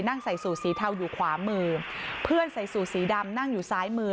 ใส่สูตรสีเทาอยู่ขวามือเพื่อนใส่สูตรสีดำนั่งอยู่ซ้ายมือ